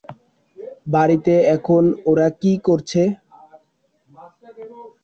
বাড়িতে এখন ওরা কী করছে?